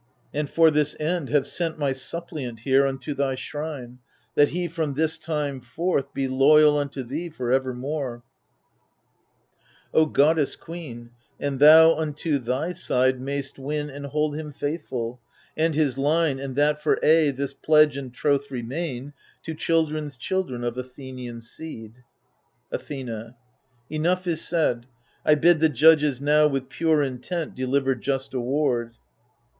And for this end have sent my suppliant here Unto thy shrine ; that he from this time forth Be loyal unto thee for evermore, goddess queen, and thou unto thy side Mayst win and hold him faithful, and his line, And that for aye this pledge and troth remain To children's children of Athenian seed. Athena Enough is said ; I bid the judges now With pure intent deliver just award.